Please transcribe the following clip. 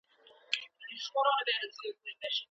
که ته په موبایل کي ایډیټ کوې نو سکرین ته ځیر سه.